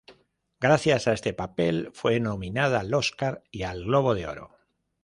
Gracias a este papel fue nominada al Oscar y al Globo de Oro.